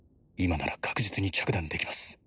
今なら確実に着弾できます